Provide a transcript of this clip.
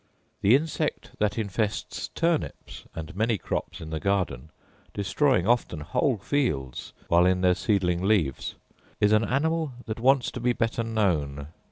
The insect that infests turnips and many crops in the garden (destroying often whole fields while in their seedling leaves) is an animal that wants to be better known.